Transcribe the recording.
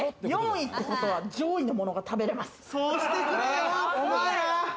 ４位ってことは上位のものが食べれます。